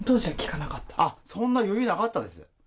そんな余裕なかったです。